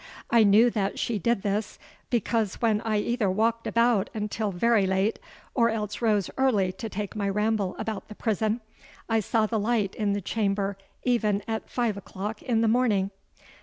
I knew that she did this, because when I either walked about until very late, or else rose early to take my ramble about the prison, I saw the light in the chamber even at five o'clock in the morning!